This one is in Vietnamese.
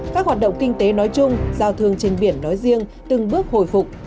các hoạt động kinh tế nói chung giao thương trên biển nói riêng từng bước hồi phục